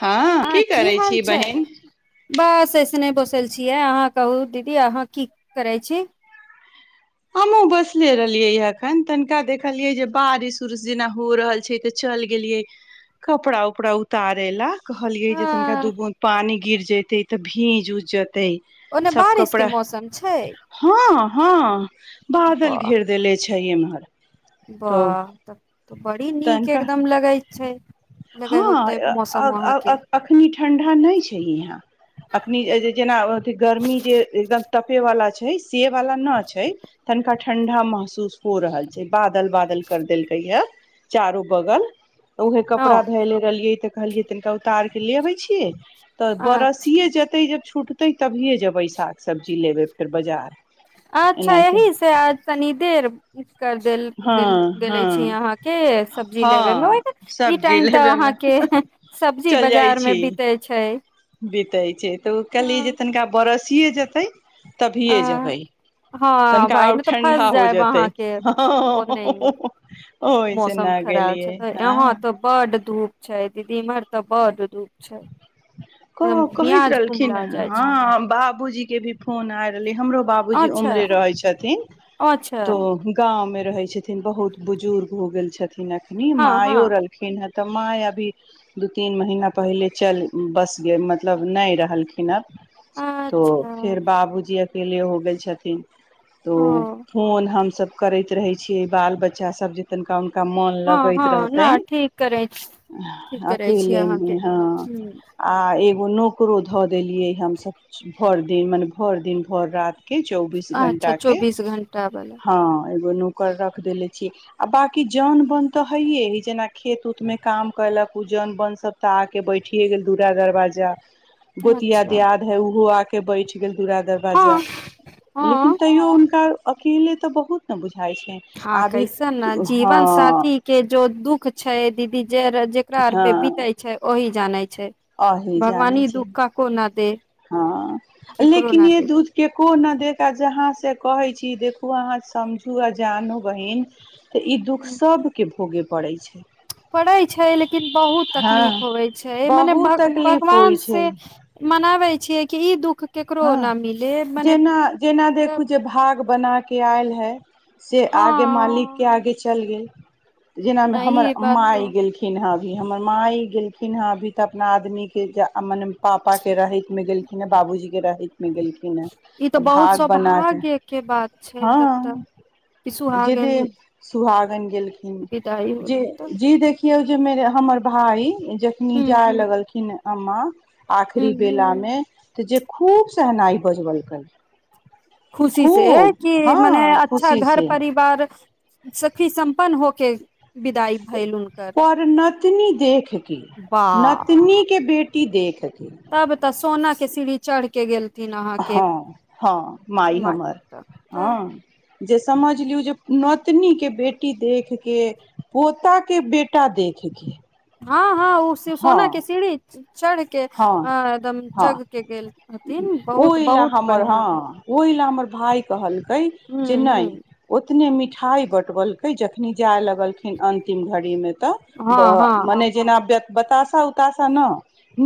हँ हां की करै हाल छी छै? बहिन बस एसने दोस तल छियै, अहाँ कहू दीदी अहाँ की करै छी? हमहुँ बैसले रहलियै एखन तनिका देखलियै जे बारिश उरिश जेना हो रहल छै तऽ चलि गेलियै कपड़ा उपड़ा उतारे ला कहलियै जे तनिका हँ दु बूंद पानि गिर जते तऽ भीज उज ज तै ओने सब बारिश के कपड़ा मौसम छै हां हां बादल घेर देेले छै इमहर। बाह तबतै बड़ी नीक एकदम लगे छै हां होते ए अ मौसम अब वहाँ अब के अख अखनी ठण्डा नै छैले हैं, अखनी ए ए जेना अथी गर्मी जे एकदम तपेवला छे। नै से वाला न छै तनिका ठण्डा महसूस हो रहल छै बादल बादल कर देलकैयऽ चारो बगल। उहे कपड़ा हँ धोयलै गेलिए त कहलियै तनिका उतार के ले अबै छियै। तऽ बरसीए जेतै जब छू छुटतै तभियए जेबै साग सब्जी लेबै फेर बजार अच्छा यही से अ तनी देर कर देल हँ देल देलै छी हँ अहाँ के। हे सब्जी लेबे मे हँ [unintelligible] ई सब्जी टाइम तऽ लेबे मे अहाँके सब्जी चलि बाजार मे बितै छै। दै छै। तऽ उ कल्ही हँ जेतनका बरस सिए जेतै। तभिए आ जेबै हँ तनिका भाय और नहि तऽ ठंडा फँस हो जायब जेतै अहाँके हां ह ओनहि हां ए। मौसम खराब छै त यहां तो बड धूप छै। दीदी इमहर तऽ बड धूप छै। एकदम कहा कहैत मियाज रहलखिन कुमला ए जाइ छै हां बाबूजी। के भी फोन आए रहले हय। हमरो बाबूजी अच्छा उम्हरे रहे छथीन अच्छा तो गाम में रहै छथिन बहुत बुजुर्ग हो गेल छै। थीन अखनी हँ हँ मायो रहलखिन हय। तऽ माइ अभी दू तीन महीना पहिले चल बस गेल मतलब नै रहलखिन अब। तो अच्छा फेर बाबूजी अ अकेले हो गेल छथिन। तो ओ फोन हम सब करैत रहै छियै बाल बच्चाभ जे तनिका त मन हँ लगैत हँ रहतनि नहि ठीक करै छी, ठीक करै छी अकेले अहाँके मे हँ। ह आ ई ए नोकरो धऽ देलियै हमसभ भरि दिन मने भरि दिन भरि राति। चौबीस अच्छा घटा चौबीस घंटा वाला ह एगो नो- कर रख देले छी आ बाककी जौन बोन तऽ हैय ह जेना खेत उत मे काम कलक उ जौन बोन सब तऽ आके बैठ उठिे गेल दूरा दरवाजा गोतिया अच्छा दियाद है ओहो आके बैच गेल। पुरा दरवाजा हँ लेकिन हँ तैयो हुनकर पीे त बहुत ने बझै हँ कैसने जीवन हँ साथी के जो दुःख छै दीदी। जे जेकरा आर पे बिते हँ छै ओहि जाने छै। अही भगवान जानै ई छै दुःख क को न दैय। हँ लेकिन य दूध केको न दे आ जहाँ से कहै छी कि देखू अहाँ समझू आ जानू बहिन तऽ इ दुख सब के भोगे पड़ै छै पड़ै छै लेकिन बहुत हँ तकलीफ होइ छै मने बहुत भग तकलीफ होइ भगवान छै से मनाबै छियै कि ई दुःख केकरो हँ न मिले मने जेना जेना तऽ देखू जे भाग बना के आयल ह से आगे मालिक हँ के आगे चल गेल जेना मे नहि हमर ई बात तो माइ गेलखिन हेँ अभी हमर माइ गेलखिन हँ अभी तऽ अपना आदमीके मने पापाके रहैतमे गेलखिन हँ बाबूजीके वगैरहै मे गेलखिन हे ई तऽ बहुत भाग बनाक सौभाग्य के बात छै तब तऽ हँ कि जेद सुहागन सुहागन गेलखिन विदाई होल तऽ जे देखियौ जे मे हमर भाई जखनी हूँ जाय हूँ लगलखिन अम्मा हूँ आखिरी हूँ बेलामे तऽ जे खूब सहनाइ बजबलकै खुशी से खूब कि मने हँ अच्छा खुशी घर से परिवार सुखी सम्पन्न हो ख पर नतनी देखके वाह नतनी के बेटी देख के तब त सोनाके सीढ़ी चढ़के गेल हँ हँ माइ माय तब हमर तऽ तऽ हँ जे समझ लियौ जे नतनीके बेटी देखि कऽ पोताके बेटा देखि कऽ हँ हँ ओ सोना के सीड़ी इ छी चढ़ के हँ अ एकदम हँ चग के गेल हथिन बहुत बहुत बढ़िआँ भेल भइ कहल कह हूँ जे नहि हूँ ओतने मीठ ठाई बटवलक जखनी जाय लग लगलखिन अंतिम घड़ी मे त हँ हँ मने जेना व्यक्ति बताशा उताशा न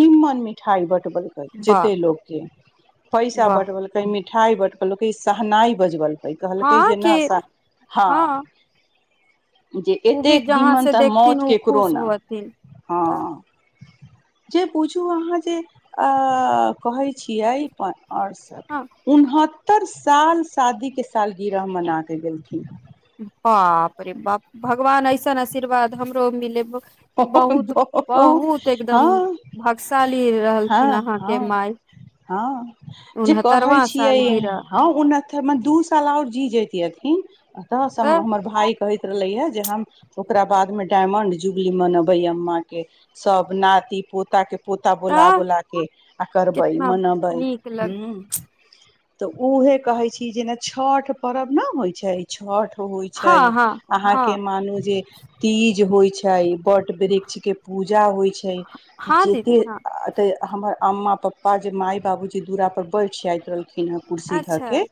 निम्मन मिठाइ बंट लकै वाह जते लोक के पैसा वाह बटबलकै मिट मिठाई बटकलकै सहनाय बजबल त कहलकै हँ जे कि नहि हँ जे ओ एत्तै भी जहाँ से निमन्तर देखथिन मौत ओ खुश केकरोना होथिन हँ तऽ जे बुझू अहाँ जे कहै छियै। आओर सब हँ उनहत सत्तर साल शादीके साल गीरह मनाकऽ गेलखिन हँ बाप रे बाप भगवान ऐसन आशीर्वाद हमरो मिले। ह बहुत बहुत एकदम भाग्यशाली ह रहलथिन अहाँके ह माय हँ जे कहै उनहत्तरवां छियै सालगिरह ह उन दू साल आओर जी जतिअथिन। तऽ हमर भाय। कहेत रहलैय जे हम ओकरा बाद में डायमंड ज्वे ली मनबे्मा के सब नति पोता के पोता बोला तऽ बुला के आ करबै कितना मनबै नीक लग हूँ ऊ नै कहै छी जेना छठ पर्व ने होइ छै छठ। होइ छै हँ हँ हँ अहाँके मानू जे। तीज होइ छै। छैइ वृक्षके पूजा होइ छै तऽ हँ दीदी हँ जतेक तऽ हमर अम्मा पप्पा जे माय बाबू जे दुूरा पर बैठ जायाइत रहल ना कुर्सी अच्छा धऽके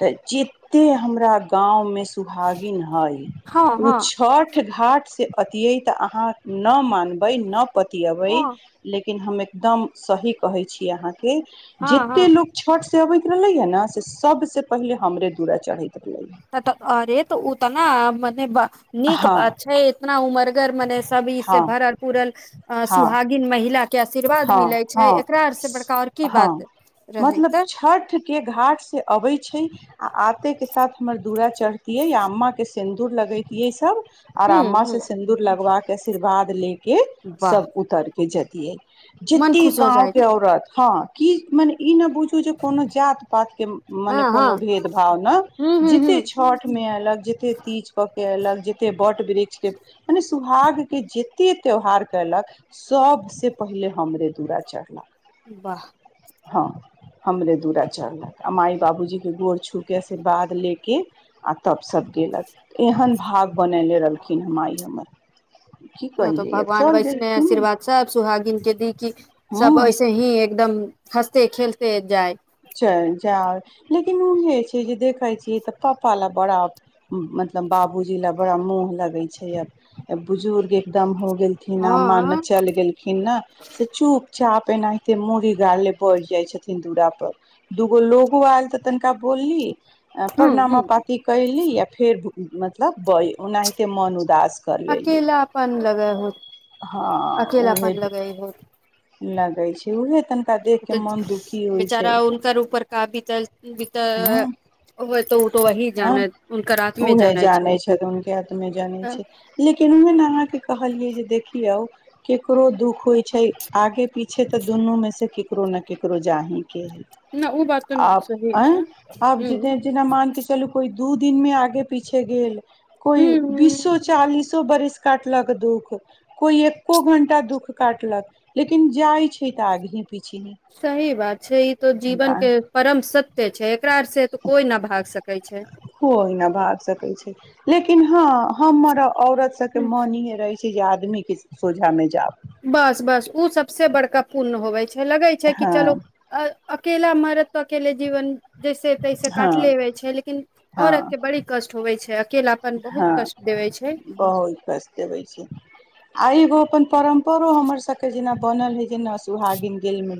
तऽ एत्तै हमरा गांम मे। सुभागिन है हँ ओ हँ छठ घाट से। पतियै तऽ अहाँ नहि मानबै नहि पति अबै हँ लेकिन हम एकदम सही कहै छी अहाँके हँ हँ जते लोक छठ। अबैत रहले हा न से सब से पहिले हमरे दूरा चढ़े। त तऽ अरे तऽ ओ तऽ ने नहि ब नीक बात हँ छै इतना उमरगर मने सभी इ से हँ भरल पूुरल हँ सुहागिन महिला। के आशीर्वाद हँ मिले छै हँ एकरा आर से बड़का आओर की बात हँ रहै मतलब तऽ छठ के घाट से अबै छै आ आते के साथ हमर दुूरा चढ़तियै या अम्माके सिन्दूर लगैतियै सब आर हूँ अम्मा से हूँ सिन्दूर लगवा के के आशीर्वाद ले के वाह सब उतर भेजतियै मन जेते खुश हो जाइ गाँवके छै औरत हँ। की मने ई नहि बुझ कोनो जात पात के हँ मने हँ कोनो भेद भाव ने हूँ हूँ जते हूँ छठ में ऐलक जते तीज क के ऐलक जते बट वृ सुहाग के जत्ते त्योहार कयलक सबसे पहिले हमरे दुअरा चढ़ला। वाह हँ हमरे दुूरा चढ़लक आ माइ बाबूजीके गोर छूके आशीर्वाद लेके आ तब सब गेलक एहन भाव। बननेे रहलखिन हम आइ हमर की हँ कहियै आब चल गेलखिन भागिन के दी की सब हँ ऐसे ही एकदम हँसते खेलते जाइ चल जाउ लेकिन उहे छै जे देखैत छियै तऽ पापा ला बड़ा मतलब बाबूजी लए बड़ा मोह लगै छै बुजुर्ग एकदम हो गेलखिन ह माँ न हँ चल गेलखिन न से चुप चाप एनाहिते मूड़ी गार ले बढ़ जाय छथिन दूरा पर दूगो लोगो आयल तऽ तनिका बोलली हूँ प्रणमा हूँ पाती कयली य फेर मतलब बय ओनाहिते मोन अकेलापन लगे होत हँ उहे अकेलापन लगाई होत लगै छै उहे तन तऽ बेचारा उनक उपर का बितल ह ह जानै हुनकर आत्मे उहे जानै छै जानइ छथि हुनकर आत्मे जानइ छै लेकिन ओह अहाँके कहलियै जे देखियौ केकरो दुख होइ छै आगे पीछे तऽ दुनू में से केकरो ने केकरो जाहि न ओ बात त सही छै आब जै हूँ दइ जना मान के चलू कोइ दू दिनमे आगे पीछे गेल। कोइ बीसो हूँ चालीसो बरसके काटलक दुःख कोई एको घंटा दुःख काटलक लेकिन जाय छै तऽ आगही पीछही सही बात छै ई तो जीवन के परम सत्य छै से तऽ कोइ नहि भाग सकै छै। कोइ न भाग सकै छै लेकिन हँ हमर औरत सबके मन रहे छै जा आदमी के सोझा मे जैब बस बस ओ सबसे बड़का पुण्य होवे छै। लगै छै कि हँ चलू अ अकेेला मरद त अकेले जीवन जैसे तैसे हँ काटलेबे छै लेकिन हँ औरत के बड़ी कष्ट होवे छै अकेलापन बहुत हँ कष्ट देवे छै बहुत कष्ट देबै छै आइगो अपन परम्परो हमर सबके जेना बनल हइ जेना सुहागिन गेलमे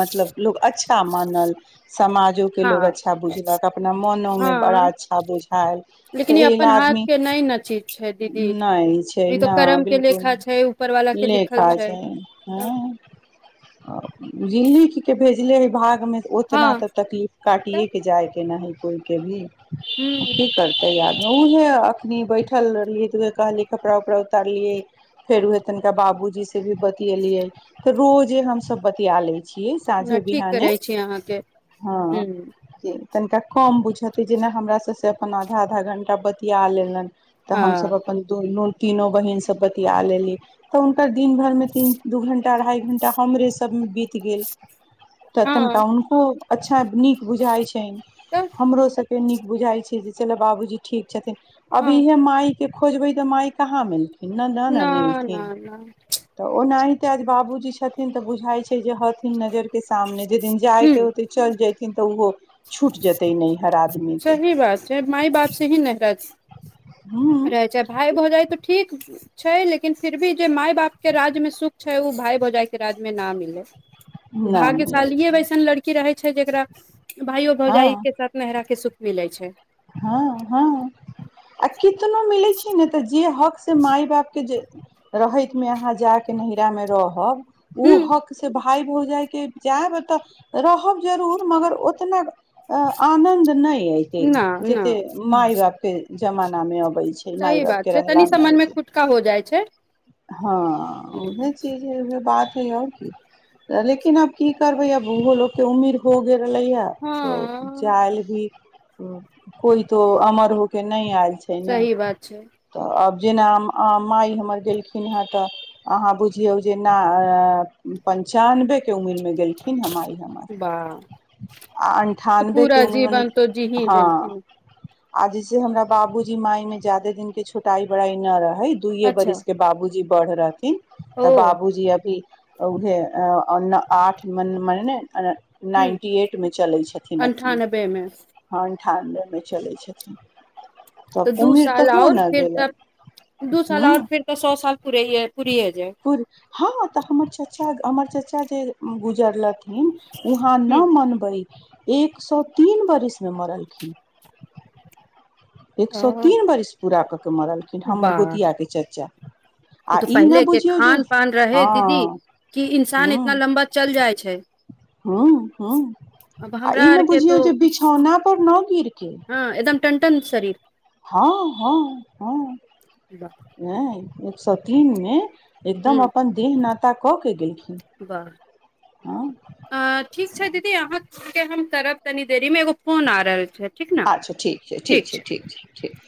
मतलब लोक अच्छा मानल समाजोके हँ लोक अच्छा बुझलक अपना मोनोमे बड़ा हँ अच्छा बुझायल तऽ लेकिन ई एहिला अपन हाथ आदमी के नहि न चीज छै दीदी नहि छै ई तो कर्म नहि के लेखा छै ऊपर वाला बिलकुल के लिखल लेखा छै तब अ जे लिख के भेज द वि भाग मे ओतना हँ तऽ तकलीफ तऽ काटिएके जाइके न है कोइके भी ह की करतै यार उहे अखनी बैठल रहलै त उहे कहलि कपड़ा उपड़ा उतारलिये फेर उहे तनिका बाबूजी से से भी बतियलियै तऽ रोज जे हम सब बतियाले। छिये न साँझे ठीक बिहान करै छी अहाँके ह [inaudible] तनिका कम बुझते जेना हमरा से से अपन आधा आधा घन [inaudible] बतियालेलन। तऽ ह हमसभ अपन दुनु तीनो बहीन सभ बतिया लेली तऽ हुनकर दिन भरिमे तीन दू घण्टा अढ़ाइ घण्टा हमरे सभमे बीत गेल। तऽ तनिका हँ हुनको। [unintelligible] नीक बुझाइत छैन तऽ हमरो सभ [unintelligible] नीक बुझाई छै जे चला बाबूजी ठीक छथिन। हँ अभी इएहे माइ के खोजबै तऽ माइ कहाँ मिलतै इना नहि न न मिलथिन न तऽ ओना अय ता जे बाबूजी छथिन तऽ बुझाइ छै जे हत [unintelligible] नजर के सामने जे दिन जाय ह के होते चल जेथिन किन्तो उहो। छूट जेतै नैहर आदमी के सही बात छै माइ बाप से ही नहि [unintelligible] ह रहे छै भाइ भौजाइ तऽ ठीक छै लेकिन फिर भी जे माइ बापके राज्यमे सुख छै ओ भाय भौजाइके राज्यमे न मिललै न मिलै भाग्यशालीय छै वैसन लड़की रहै। छै जेकरा भाइयो भौजाइ के साथ नेहरा के सुख। मिलै छै ह ह आ की त मम्मी इ छै नहि तऽ जे [unintelligible] हक से माइ बापके जे रहैतमे अहाँ जाकऽ नैहरामे रहब। ओ ह हक से बाह भाइ भौजाइ के जायब तऽ रहब जरूर मगर ओतना ए आनंद नहि। [unintelligible] अयते। न न जेते माय बापके जमाना मे अ सही बात छै, तनी सँ मनमे खुटका हो जाय छै। हाँ उहे हूँ, चीज [unintelligible] बात [unintelligible] और की लेकिन आब की करबे आब उहो लोग के उम्मीर हो गेल लैया तो हँ चाइल भी कोइ तो अमर हो के ने आयल छै ने सही बात छै तऽ अब जेना अ माय हमर गेल खिन हय ते अहाँ बुझियौ जे ना अ पंचानबे के उमीरमे गेलखिन हय माई हमर वाह आ तऽ अन्ठानबेके पूरा उमीरमे ने जीवन तो जी ही हाँ। लेलथिन आ जैसे हमरा बाबूजी माय में ज्यदा दिन के छोटाई बड़ाई न रह हय दुयए अच्छा बरस के बाबूजी जी बढ़ राखी। ओ तऽ बाबू जी अभी अ उहे ए अन आठ मन मने ने अने ह नाइन्टी एटमे चलै छथिन अखनी अन्ठानबे मे हाँ ठानबेमे चलै छथिन। त तब दु उमिर तऽ साल हो और ने फिर त गेलनि दु साल और फिर ते सौ साल पूरे पूरिये जाय पुर हां ते हमर छ चचा, हमर चचा जे गुजरलक हुं, उहां ह ना मनबै। एक सौ तीन बरिस मे मरलखीन। एक सौ ओ तीन बरिस पुरा क के मरलखिन हमर गोतियाके चचा। उ आ ते ई न पहिलेके बुझियौ जे खान पान रहै दीदी, हँ कि इन्सान इतना लम्बा चल जाय छै। हां हां अब आ हमरा इ नै आरके बुझियौ तो जे बिछौना पर न गिरके हँ एकदम टनटन शरीर हां हां हां, नै। एक सौ तीनमे एकदम हूँ अपन दिन नापि त कोख वाह, आ ठीक छै दीदी अहां सबके हम करब तनी देरी में एगो फोन आ रहल छै। ठीक ने अच्छा ठीक छै, ठीक छै, ठीक छै, ठीक।